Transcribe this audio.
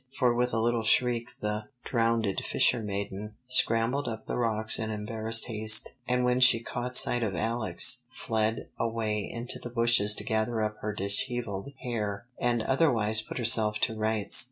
For with a little shriek the "Drowned Fishermaiden" scrambled up from the rocks in embarrassed haste, and when she caught sight of Alex, fled away into the bushes to gather up her dishevelled hair and otherwise put herself to rights.